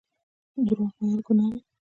درواغ ویل ګناه ده